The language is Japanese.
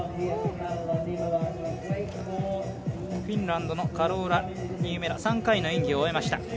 フィンランドのカローラ・ニエメラ３回の演技を終えました。